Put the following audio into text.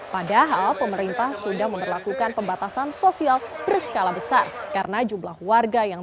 padahal pemerintah sudah memperlakukan pembatasan sosial berskala besar karena jumlah warga yang